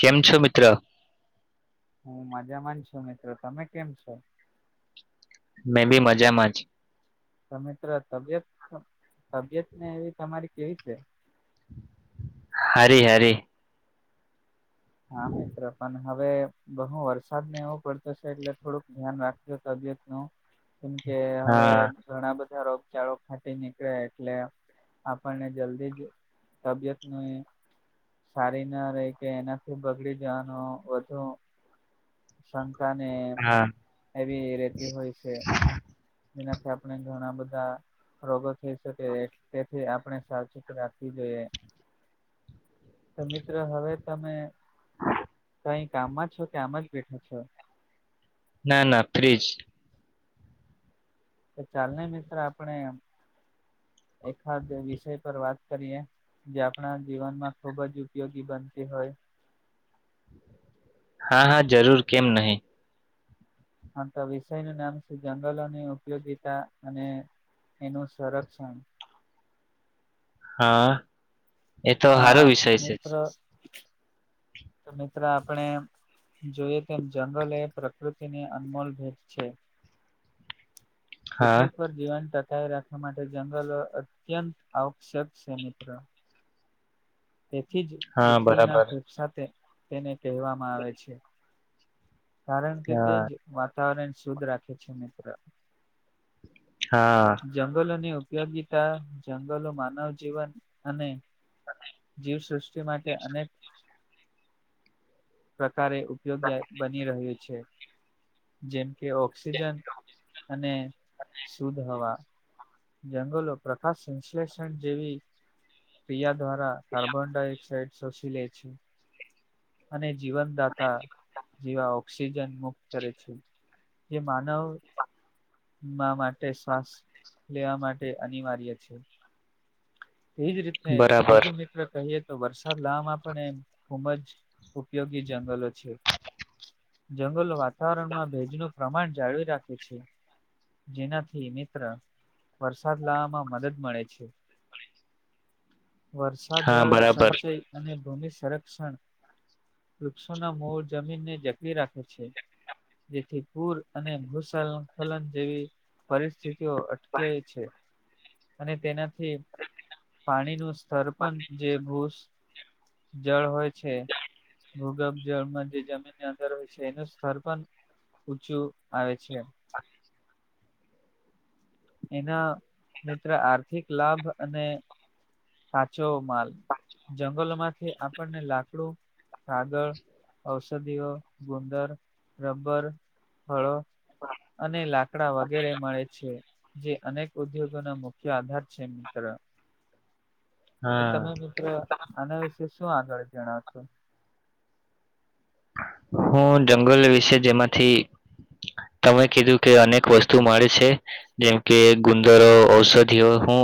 કેમ છો મિત્ર. હું મજામાંન છું મિત્રો તમે કેમ છો. મેં બી મજામાં જ છું. તો મિત્ર તબિયત તબિયતને એવી તમારી કેવી છે. હારી હારી. હા મિત્ર પણ હવે બહુ વરસાદને એવો પડતો છે એટલે થોડુંક ધ્યાન રાખજો તબિયત નું કેમ કે હવે હા ઘણા બધા રોગચાળો ફાટી નીકળ્યા એટલે આપણને જલ્દી જ તબિયતની સારી ના રે કે એનાય બગડી જવાનું વધુ સંંકા ને હા એવી રેતી હોય છે જેનાથી આપણે ઘણા બધા રોગો થઈ શકે તેથી આપણે સાવચેતી રાખવી જોઈએ. તો મિત્ર હવે તમે નહીં કામમાં છો કે આમાં જ બેઠા છો? ના ના ફ્રિજ. તો ચાલ ને મિત્ર આપણે, એકાદ વિષય પર વાત કરીએ, જે આપણા જીવન માં ખુબ જ ઉપયોગી બનતી હોય. હા હા જરૂર કેમ નહી. આ તો વિષય નું નામ છે જંગલોની ઉપયોગિતા અને એનું સંરક્ષણ. હા, એ તો સારો વિષય છે. હ [inaudible] તો મિત્ર આપણે જોઈએ તેમ જંગલ એ પ્રકૃતિની અનમોલ ભેટ છે. હા પ્રુથ્વી પર જીવન ટકાવી રાખવા માટે જંગલો અત્યંત આવશ્યક છે મિત્ર. [inaudible] તેથી જ હા પૃથ્વીના બરાબર ફેફસા તેને કહેવામાં આવે છે. કારણ કે તે હા જ વાતાવરણ શુદ્ધ રાખે છે મિત્ર. હા. જંગલોની ઉપયોગીતા જંગલો માનવ જીવન અને જીવસૃષ્ટિ માટે અનેક પ્રકારે ઉપયોગી બની રહ્યું છે. જેમ કે ઓક્સિજન અને શુદ્ધ હવા. જંગલો પ્રકાશ સંશ્લેષણ જેવી ક્રિયા દ્વારા કાર્બન ડાયોક્સાઇડ સોશિ લે છે, અને જીવનદાતા જેવાઓ ઓક્સિજન મુક્ત કરે છે, જે માનવ મા માટે શ્વાસ લેવા માટે અનિવાર્ય છે, તેજ રીતને બરાબર બીજું મિત્ર કહીએ તો વરસાદ લાવામાં પણ એમ ખૂબ જ ઉપયોગી જંગલો છે. જંગલ વાતાવરણમાં ભેજનું પ્રમાણ જાળવી રાખે છે. જેનાથી મિત્ર વરસાદ લાવવામાં મદદ મળે છે. વર્ષા હા જળ બરાબર સંચય અને ભૂમિ સંરક્ષણ વૃક્ષોના મૂળ જમીનને જકરી રાખે છે. જેથી પૂર અને ભૂસલખલન જેવી પરિસ્થિતિઓ અટકે છે, અને તેનાથી પાણીનું સરપંચ જે ભૂસ જળ હોય છે. ભુગભ જળમાં જે જમીનની અંદર હોય છે એનું સ્તર પણ ઊચું આવે છે. એના મિત્ર આર્થિક લાભ અને કાચો માલ, જંગલમાંથી આપણને લાકડું, કાગળ. ઔષધિઓ, ગુંદર, રબર, ફળો. અને લાકડા વગેરે મળે છે, જે અનેક ઉદ્યોગોના મુ આધાર છે મિત્ર, એ તમે હા મિત્ર આના વિશે શું આગળ જણાવતું. હું જંગલ વિશે જેમાંથી તમે કીધું કે અનેક વસ્તુ મળે છે. જેમ કે ગુંદરો, ઔષધિઓ હું,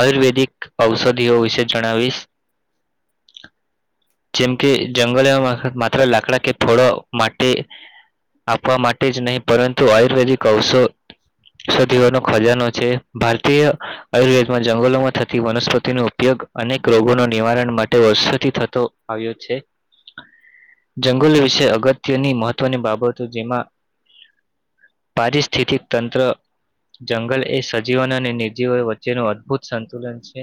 આયુર્વેદિક ઔષધિઓ વિશે જણાવીશ. [inaudible] જેમ કે જંગલમાં માત્ર લાકડા કે થોડો માટી આપવા માટે જ નહીં, પરંતુ આયુર્વેદિક અવસ ઔષધીય ખજાનો છે, ભારતીય આયુર્વેદમાં જંગલોમાં થતી વનસ્પતિનો ઉપયોગ અનેક રોગોના નિવારણ માટે વષોથી થતો. આવ્યો છે. ભગોલ વિશે અગત્યની મહત્વની બાબતો, જેમાં પારિસ્થિતિક તંત્ર. જંગલ એ સજીવન અને નિર્જીવન વચ્ચેનું અદભુત સંતુલન છે,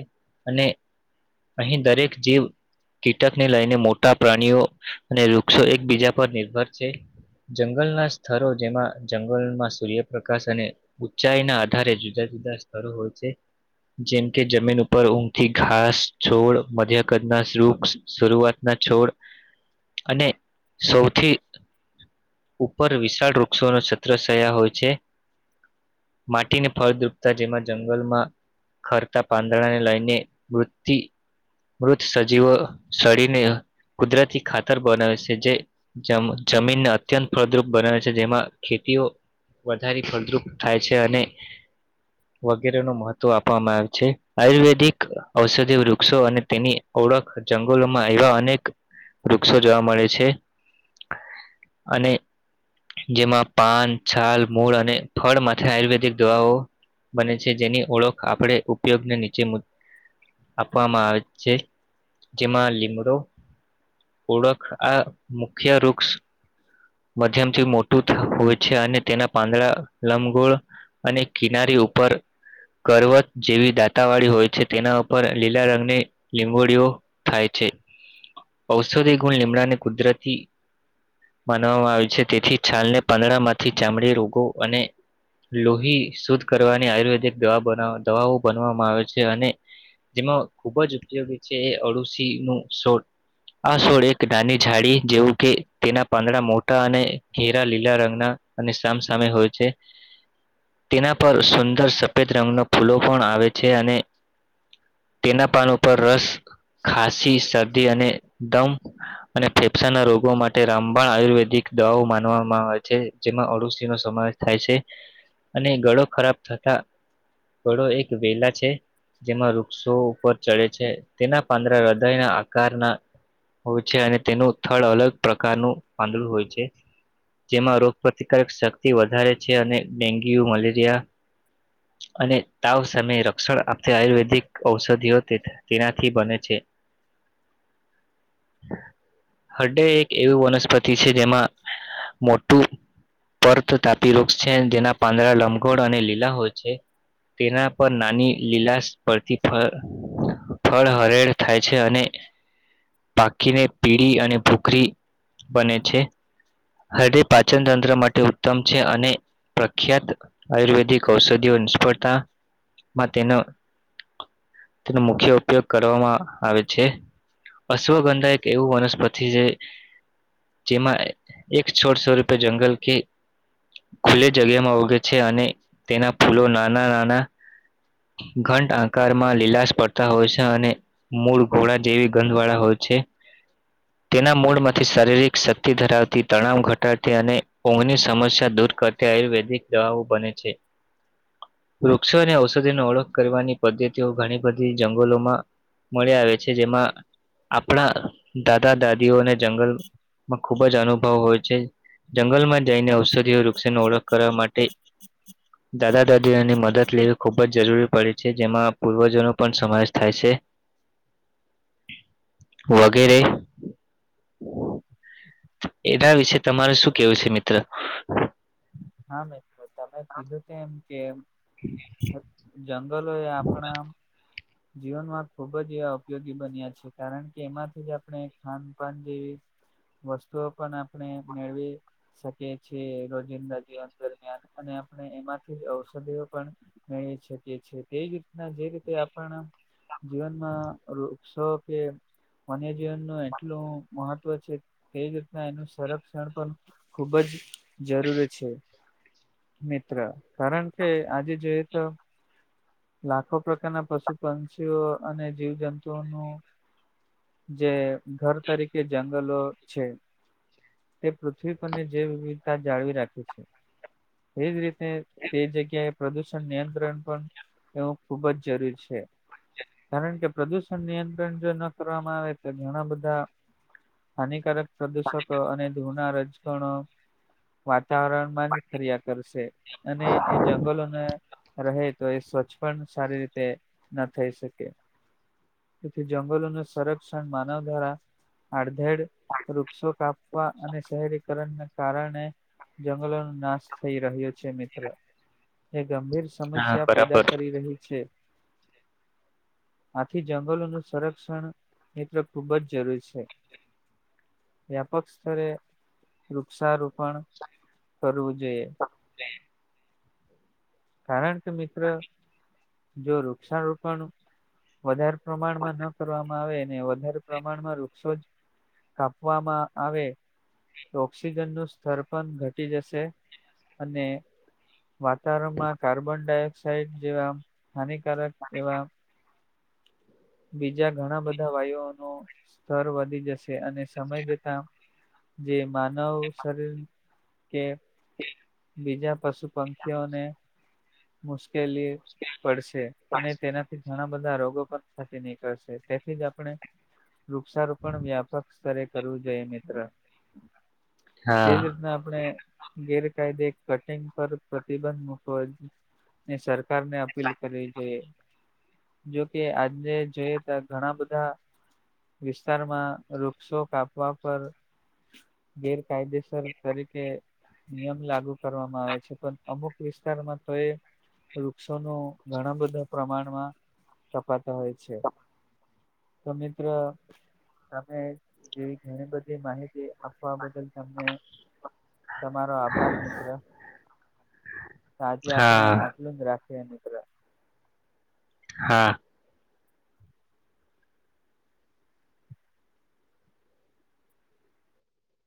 અને અહીં દરેક જીવ, કીટક ને લઈને મોટા પ્રાણીઓ અને એકબીજા પર નિર્ભર છે. જંગલના સ્થરો, જેમાં જંગલમાં સૂર્યપ્રકાશ અને ચાય ના આધારે જુદા-જુદા સ્તરો હોય છે. જેમ કે જમીન ઉપર ઊંઘથી ઘાસ, છોડ, મધ્ય કદ ના વૃક્ષ. શરૂઆત ના છોડ અને સૌથી ઉપર વિશાળ વૃક્ષો નું છત્ર થયા હોય છે. માટીને ફળદ્રુપતા જેમાં જંગલમાં ખરતા પાંદડાને લઈને મૃત્યુ. મૃત સજીવો સળીને કુદરતી ખાતર બનાવે છે. જે જમીનને અત્યંત ફળરૂપ બનાવે છે, જેમાં ખેતીઓ વધારે ફળદ્રુપ થાય છે, અને [inaudible] વગેરે નું મહત્વ આપવામાં આવે છે, આયુર્વેદિક ઔષધિય વૃક્ષો અને તેની ઓળખ જંગલોમાં એવા અનેક વૃક્ષો જોવા મળે છે. છે, અને જેમાં પાન, છાલ, મૂળ અને ફળ માથી આયુર્વેદિક દવાઓ. બને છે, જેની ઓળખ આપણે ઉપયોગને નીચે આપવામાં આવે છે, જેમાં લીમડો ઓળખ આ મુખ્ય વૃક્ષ. મધ્યમથી મોટું હોય છે અને તેના પાંદડા લમ્બગોળ. અને કિનારી ઉપર. કરવત જેવી દાતાવાળી હોય છે તેના ઉપર લીલા રંગની લીંગોળઓ. થાય છે ઔષધિ ગુણ લીમડાને, કુદરતી માનવામાં આવી છે તેથી છાલ ને પાંદડા માંથી ચામડી રોગો, અને લોહી શુદ્ધ કરવાની આયુર્વેદિક દવા બનાવ દવાઓ, બનવામાં આવે છે અને, જેમાં ખુબ જ ઉપયોગી છે એ અડુશી નું સોળ આ સોળ એક ડાની, ઝાડી જેવું કે તેના પાંદડા મોટા અને ઘેરા લીલા રંગના અને સામસામે હોય છે. [inaudible] તેના પર સુંદર સફેદ રંગના ફૂલો પણ આવે છે. છે અને તેના પાન ઉપર રસ, ખાસી, શરદી અને દમ, અને ફેફસાના રોગો માટે રામબાણ આયુર્વેદિક, દવાઓ માનવામાં આવે છે જેમાં અડુશી નો સમાવેશ થાય છે. અને ગળો ખરાબ થતા, ગળો એક વેલા છે. જેમાં વૃક્ષો ઉપર ચડે છે તેના પાંદરા હૃદયના આકારના હોય છે અને તેનું થળ અલગ પ્રકારનું પાંદડું હોય છે. જેમાં રોગ પ્રતિકારક શક્તિ વધારે છે અને ડેન્ગ્યુ, મલેરિયા, [inaudible] અને તાવ સામે રક્ષણ આપતી આયુર્વેદિક ઔષધિઓ તેનાથી બને છે. [inaudible] હરડે એક એવું વનસ્પતિ છે જેમાં મોટું, પરત તાપી વૃક્ષ છે જેના પાંદડા લમઘોળ અને લીલા હોય છે. તેના પર નાની લીલાશ પરથી ફળ્ ફળ હરેળ થાય છે, અને પાકીને પીળી અને ભૂખરી બને છે. હરળે પાચન તંત્ર માટે ઉત્તમ છે અને પ્રખ્યાત આયુર્વેદિક ઔષધીઓ સ્ફર્ધા માથે તે ન તેનો મુખ્ય ઉપયોગ કરવામાં આવે છે. અશ્વગંધા એક એવું વનસ્પતિ છે, જેમાં એક છોટ છોરપે જંગલ કે ખુલ્લે જગ્યામાં ઉગે છે અને તેના ફૂલો નાના નાના ઘંટ આકારમાં લીલાશ પડતા હોય છે અને મૂળ ઘોડા જેવી ગંધ વાળા હોય છે, તેના મૂળમાં તે શારીરિક શક્તિ ધરાવ ઘટાડતી અને ઊંઘની સમસ્યા દૂર કરતી આયુર્વેદિક દવાઓ બને છે. વૃક્ષો અને ઔષધિની ઓળખ કરવાની પદ્ધતિઓ ઘણી બધી જંગલોમાં મળી આવે છે, જેમાં આપણા દાદા દાદીઓને જંગલમાં ખુબ જ અનુભવ હોય છે, જંગલમાં જઈને ઔષધિઓ વૃક્ષની ઓળખ કરવા માટે હમ. [inaudible] દાદા દાદીઓની મદદ લેવી ખૂબ જ જરૂરી પડી છે, જેમાં પૂર્વજોનો પણ સમાવેશ થાય છે. [inaudible] વગેરે. એના વિશે તમારે શું કેવું છે મિત્ર. હા મિત્ર તમે કીધું ત એમ કે જંગલો એ આપણા જીવનમાં ખુબ જ એ ઉપયોગી બન્યા છે, કારણ કે એમાંથી જ આપણે ખાન-પાન જેવી વસ્તુઓ પણ આપણે મેળવી શકીએ છિએ રોજિંદા જીવન દરમિયાન અને આપણે એમાંથી ઔષધિઓ પણ મેળવી શકીએ છીએ તે જ રીતના જે રીતે આપણ જીવનમાં શો કે માન્ય જીવન નું એટલું મહત્વ છે એવી રીતના એનું સંરક્ષણ પણ ખુબ જ જરૂરી છે. મિત્ર કારણ કે આજે જોઈએ તો લાખો પ્રકારના પશુ પક્ષીઓ અને જીવ જંતુઓનું જે ઘર તરીકે જંગલો છે. તે પૃથ્વી પરની જૈવ વિવિધતા જાળવી રાખે છે, એજ રીતે તે જગ્યાએ પ્રદુષણ નિયંત્રણ પણ એવું ખુબ જ જરૂરી છે. કારણ કે પ્રદુષણ નિયંત્રણ જો ન કરવામાં આવે તો ઘણા બધા હાનિકારક પ્રદૂષકો અને ધૂના રજગણો વાતાવરણમાં જ ફરિયા કરશે, અને એ જંગલોને રહે તો એ સ્વચ્છ પણ સારી રીતે ના થઈ શકે. તેથી જંગલોનું સંરક્ષણ માનવ દ્વારા આડધેડ વૃક્ષો કાપ અવા અને શહેરીકરણને કારણે જંગલોનો નાશ થઈ રહ્યો છે મિત્ર, એ ગંભીર હા સમસ્યા પેદા બરાબર કરી રહી છે. આથી જંગલોનું સંરક્ષણ મિત ખુબ જ જરૂરી છે. વ્યાપક સ્તરે વૃક્ષારોપણ કરવું જોઈએ. કારણ કે મિત્ર, જો વૃક્ષારોપણ વધારે પ્રમાણમાં ન કરવામાં આવે ને વધારે પ્રમાણમાં વૃક્ષો જ કાપવામાં આવે. ઓક્સિજનનું સ્તર પણ ઘટી જશે, અને વાતાવરણમાં કાર્બન ડાયોક્સાાઈડ જેવા હાનિકારક એવા બીજા ઘણા બધા વાયુઓનું સ્તર વધી જશે અને સમય જતા જે માનવ શરીર કે બીજા પશુ પંખીઓને. મુશ્કેલી પડશે, અને તેનાથી ઘણા બધા રોગો પણ ફાટી નીકળશે તેથી જ આપણે વૃક્ષારોપણ વ્યાપક સ્તરે કરવું જોઈએ મિત્ર. તેજ હા રીતના આપણે ગેરકાયદે કટિંગ પર પ્રતિબંધ મૂકવા સરકાર ને અપીલ કરવી જોઇએ છે. જોકે આજે જોઈએ ત ઘણા બધા વિસ્તારમાં વૃક્ષો કાપવા પર ગેરકાયદેસર તરીકે નિયમ લાગુ કરવામાં આવે છે પણ અમુક વિસ્તારમાં હ વૃક્ષોનું ઘણા બધા પ્રમાણમાં કપાતા હોય છે, તો મિત્ર તમે જેવી ઘણી બધી માહિતી આપવા બદલ તમને તમારો આભાર મિત્ર. જે આપણે હા આટલું જ રાખીએ મિત્ર. હા